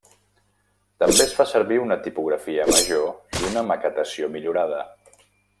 També es fa servir una tipografia major i una maquetació millorada.